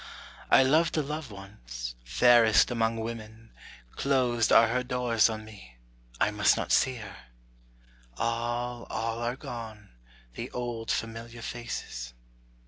I loved a Love once, fairest among women: Closed are her doors on me, I must not see her, All, all are gone, the old familiar faces.